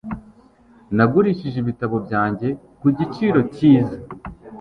Nagurishije ibitabo byanjye ku giciro cyiza.